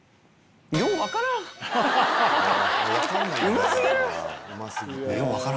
うま過ぎる！